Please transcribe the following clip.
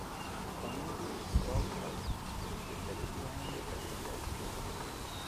The community is served by the Bethlehem Area School District.